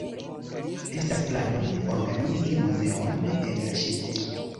Estas planoj organizi muzeon en la ŝipo.